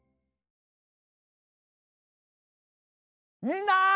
みんな。